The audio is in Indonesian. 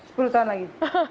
eh sepuluh tahun lagi